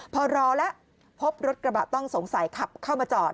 พอรอแล้วพบรถกระบะต้องสงสัยขับเข้ามาจอด